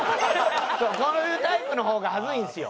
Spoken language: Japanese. そういうタイプの方がはずいんすよ。